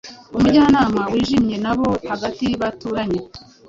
Umujyanama wijimye na bo hagati baturanye